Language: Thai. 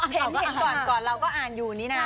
เห็นก่อนเราก็อ่านอยู่นี่นะ